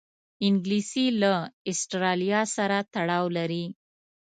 انګلیسي له آسټرالیا سره تړاو لري